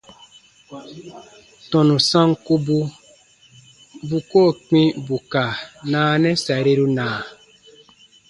Tɔnu sankubu bu koo kpĩ bù ka naanɛ sariru na?